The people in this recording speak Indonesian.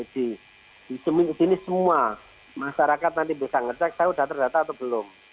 di sini semua masyarakat nanti bisa ngecek saya sudah terdata atau belum